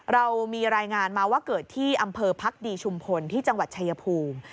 เรามีรายงานมาว่าเกิดที่อำเภอพักดีชุมพลที่จังหวัดชายภูมิ